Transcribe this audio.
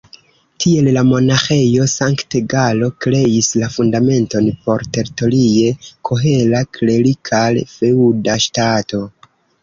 Tiel la Monaĥejo Sankt-Galo kreis la fundamenton por teritorie kohera klerikal-feŭda ŝtato.